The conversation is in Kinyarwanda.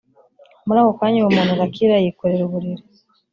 muri ako kanya uwo muntu arakira yikorera uburiri